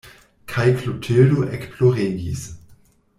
Kaj Klotildo ekploregis.